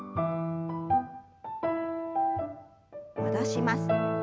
戻します。